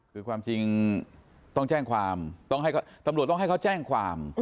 คือความจริงต้องแจ้งความต้องให้ตำรวจต้องให้เขาแจ้งความ